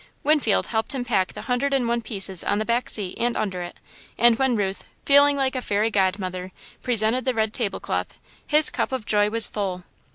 Winfield helped him pack the "101 pieces" on the back seat and under it, and when Ruth, feeling like a fairy godmother, presented the red table cloth, his cup of joy was full.